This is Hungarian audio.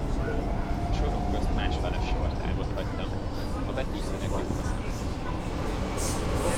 A sorok közt másfeles sortávot hagytam, a betűszínek jók a szemnek.